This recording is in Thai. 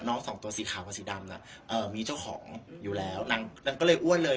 สองตัวสีขาวกับสีดำน่ะเอ่อมีเจ้าของอยู่แล้วนางนางก็เลยอ้วนเลย